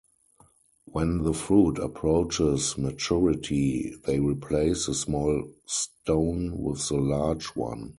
When the fruit approaches maturity, they replace the small stone with the large one.